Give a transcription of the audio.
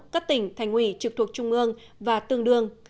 các tỉnh thành ủy trực thuộc trung ương và tương đương